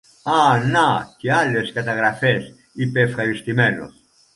Α, να και άλλες καταγραφές, είπε ευχαριστημένος